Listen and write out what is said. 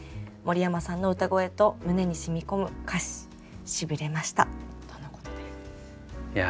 森山さんの歌声と胸にしみ込む歌詞しびれました」とのことです。